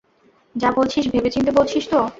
যা বলছিস ভেবেচিন্তে বলছিস তো?